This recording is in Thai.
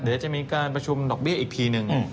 เดี๋ยวจะมีการประชุมดอกเบี้ยอีกทีหนึ่ง